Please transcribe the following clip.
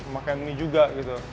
makan ini juga gitu